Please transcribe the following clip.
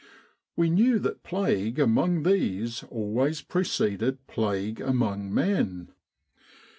We knew that plague among these always preceded plague among men.